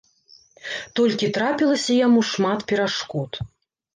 Толькі трапілася яму шмат перашкод.